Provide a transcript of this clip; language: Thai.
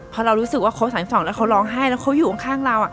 พอเรารู้สึกว่าเขาสามฝั่งแล้วเขาร้องไห้แล้วเขาอยู่ข้างเรา